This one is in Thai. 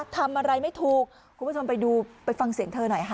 ทำอะไรไม่ถูกคุณผู้ชมไปดูไปฟังเสียงเธอหน่อยค่ะ